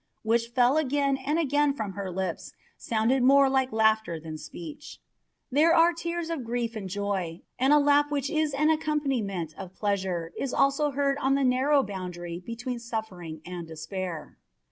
which fell again and again from her lips sounded more like laughter than speech. There are tears of grief and of joy, and the laugh which is an accompaniment of pleasure is also heard on the narrow boundary between suffering and despair.